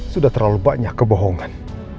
sudah terlalu banyak kebohongan